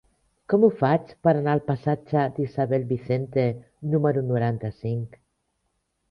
Com ho faig per anar al passatge d'Isabel Vicente número noranta-cinc?